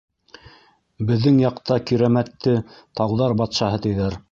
Беҙҙең яҡта Кирәмәтте тауҙар батшаһы тиҙәр.